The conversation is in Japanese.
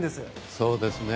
そうですね。